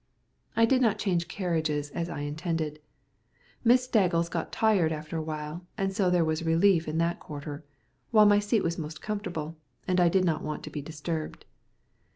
I did not change carriages as I intended. Miss Staggles got tired after awhile, and so there was relief in that quarter, while my seat was most comfortable, and I did not want to be disturbed.